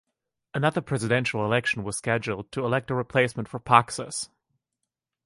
Another presidential election was scheduled to elect a replacement for Paksas.